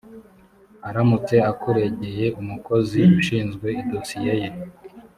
aramutse akuregeye umukozi ushinzwe idosiye ye